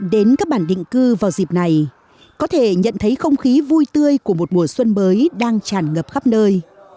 đến các bản định cư vào dịp này có thể nhận thấy không khí vui tươi của một mùa xuân mới đang tràn ngập khắp nơi